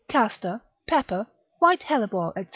castor, pepper, white hellebore, &c.